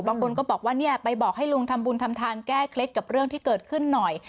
บางคนก็บอกว่าเนี่ยไปบอกให้ลุงทำบุญทำทานแก้เคล็ดกับเรื่องที่เกิดขึ้นหน่อย